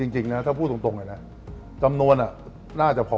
จริงถ้าพูดตรงนี้จำนวนน่าจะพอ